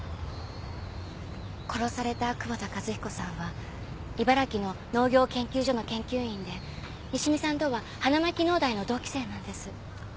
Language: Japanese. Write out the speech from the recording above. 殺された窪田一彦さんは茨城の農業研究所の研究員で西見さんとは花巻農大の同期生なんです。